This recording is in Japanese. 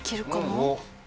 おっ。